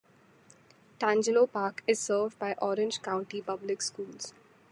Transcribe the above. Tangelo Park is served by Orange County Public Schools.